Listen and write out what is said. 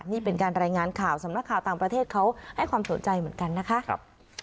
นี่เป็นการรายงานข่าวสำนักข่าวต่างประเทศเขาให้ความสนใจเหมือนกันนะคะ